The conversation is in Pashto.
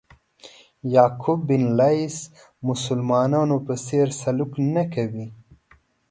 یعقوب بن لیث مسلمانانو په څېر سلوک نه کوي.